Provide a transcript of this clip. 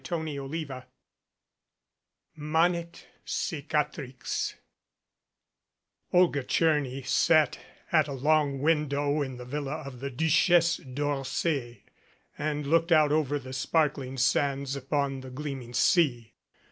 CHAPTER XVI MANET CICATRIX OLGA TCHERNY sat at a long window in the villa of the Duchesse d'Orsay and looked out over the sparkling sands upon the gleaming sea.